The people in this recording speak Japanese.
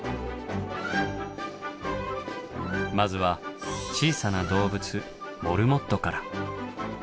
まずは小さな動物モルモットから。